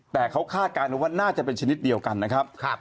แต่เขาคาดการณ์ว่าน่าจะเป็นชนิดเดียวกันนะครับ